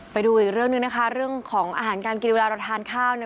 ไปดูอีกเรื่องหนึ่งนะคะเรื่องของอาหารการกินเวลาเราทานข้าว